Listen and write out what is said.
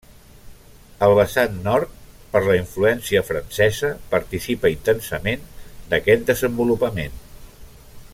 El vessant nord, per la influència francesa, participa intensament d'aquest desenvolupament.